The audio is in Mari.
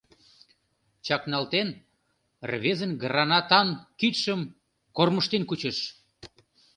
Чакналтен, рвезын гранатан кидшым: кормыжтен кучыш.